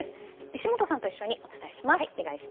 石本さんと一緒にお伝えします。